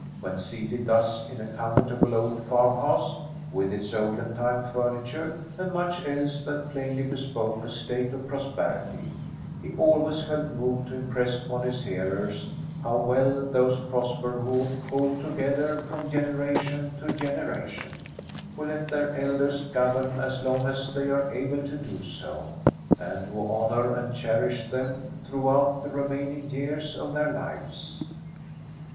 When seated thus in a comfortable old farmhouse, with its olden time furniture, and much else that plainly bespoke a state of prosperity, he always felt moved to impress upon his hearers how well those prosper who hold together from generation to generation, who let their elders govern as long as they are able to do so, and who honour and cherish them throughout the remaining years of their lives.